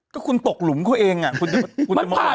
ก็คุณตกหลุมเขาเองอ่ะคุณจะมาห่วงให้ได้ไหม